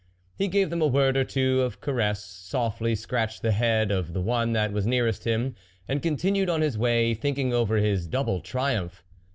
He gave them a word or two of caress, softly scratched the head of the one that was nearest him, and con tinued on his way, thinking over his double triumph.